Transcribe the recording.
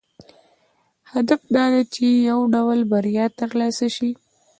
هدف دا دی چې یو ډول بریا ترلاسه شي.